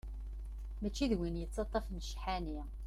Mačči d win yettaṭṭafen ccḥani.